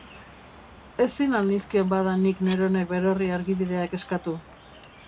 Ezin al nizkion, bada, nik neronek berorri argibideak eskatu?